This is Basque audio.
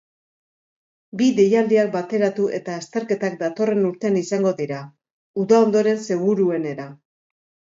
Bi deialdiak bateratu eta azterketak datorren urtean izango dira, uda ondoren seguruenera.